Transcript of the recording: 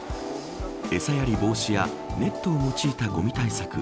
餌やり防止やネットを用いてごみ対策